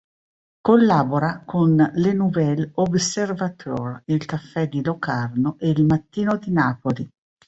Collabora con Le Nouvel Observateur, Il caffè di Locarno e Il Mattino di Napoli.